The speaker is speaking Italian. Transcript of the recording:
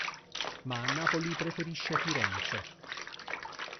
Ma a Napoli preferisce Firenze.